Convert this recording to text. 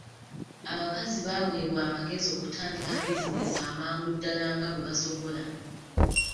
Abakazi baweebwa amagezi okutandika bizinensi amangu ddala nga bwe basobola.